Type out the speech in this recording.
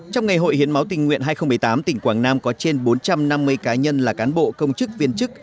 trong ngày hội hiến máu tình nguyện hai nghìn một mươi tám tỉnh quảng nam có trên bốn trăm năm mươi cá nhân là cán bộ công chức viên chức